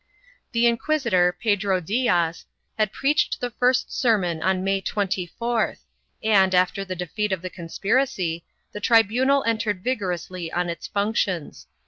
3 The inquisitor, Pedro Diaz, had preached the first sermon on May 24th, and, after the defeat of the conspiracy, the tribunal entered vigorously on its functions.